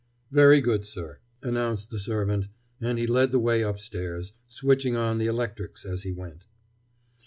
"Very good, sir," announced the servant. And he led the way upstairs, switching on the electrics as he went.